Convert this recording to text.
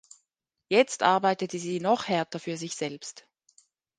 Jetzt arbeitete sie noch härter für sich selbst.